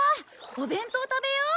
お弁当食べよう。